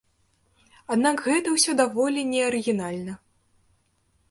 Аднак гэта ўсё даволі неарыгінальна.